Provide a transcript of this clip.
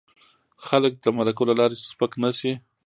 خلک دې د مرکو له لارې سپک نه شي.